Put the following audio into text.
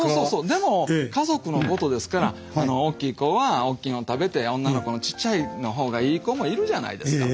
でも家族のことですから大きい子は大きいの食べて女の子のちっちゃいのほうがいい子もいるじゃないですか。